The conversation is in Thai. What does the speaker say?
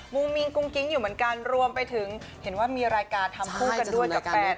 มิ้งกุ้งกิ๊งอยู่เหมือนกันรวมไปถึงเห็นว่ามีรายการทำคู่กันด้วยกับแฟน